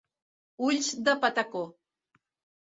Ulls de patacó.